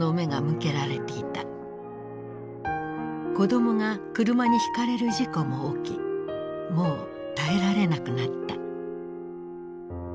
子どもが車に轢かれる事故も起きもう耐えられなくなった。